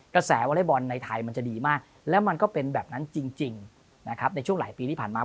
กระแสวละบอลในไทยมันจะดีมากและมันก็เป็นแบบนั้นจริงในช่วงหลายปีที่ผ่านมา